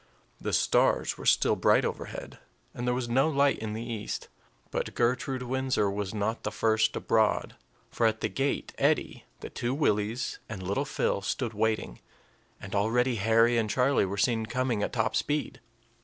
The stars were still bright overhead, and there was no light in the east; but Gertrude Windsor was not the first abroad; for at the gate Eddie, the two Willies, and little Phil stood waiting, and already Harry and Charlie were seen coming at top speed.